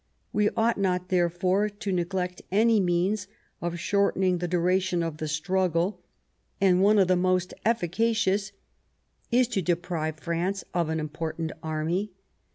We ought not, therefore, to neglect any means of shortening the duration of the sti uggle, and one of the most efficacious is to deprive France of an important army.